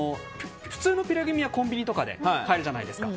普通のピュレグミはコンビニとかで買えるじゃないですか。